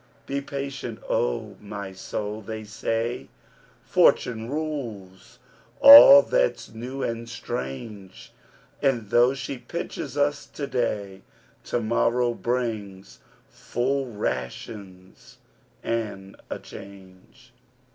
Be patient, oh! my soul, they say Fortune rules all that's new and strange, And though she pinches us to day, To morrow brings full rations, and a change!'